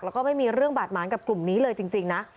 แล้วก็ไม่มีเรื่องบาดหมางกับกลุ่มนี้เลยจริงนะ